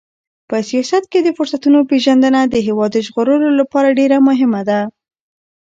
په سیاست کې د فرصتونو پیژندنه د هېواد د ژغورلو لپاره ډېره مهمه ده.